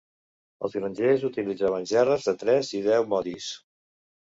Els grangers utilitzaven gerres de tres i deu modis.